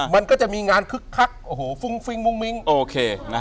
มันก็จะมีงานคึกคักโอ้โหฟุ้งฟิ้งมุ้งมิ้งโอเค